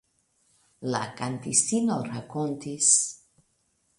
La kantistino rakontis.